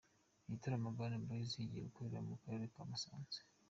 Igitaramo Urban Boys igiye gukorera mu karere ka Musanze.